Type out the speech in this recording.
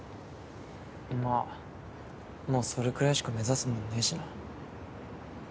まあもうそれくらいしか目指すもんねぇしな。